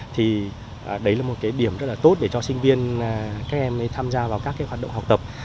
thì đấy là một điểm rất là tốt để cho sinh viên tham gia vào các hoạt động học tập